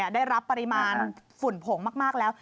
ได้รับปริมาณฝุ่นผงมากแล้ว